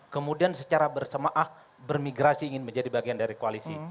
kemudian secara bersemaah bermigrasi ingin menjadi bagian dari koalisi